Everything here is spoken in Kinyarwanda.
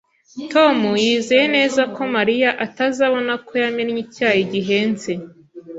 Tom yizeye neza ko Mariya atazabona ko yamennye icyayi gihenze